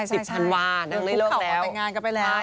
นางได้เริ่มแล้วคุกเขากับแต่งงานก็ไปแล้ว